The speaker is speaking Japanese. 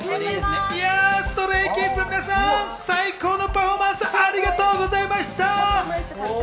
ＳｔｒａｙＫｉｄｓの皆さん、最高のパフォーマンスありがとうございました！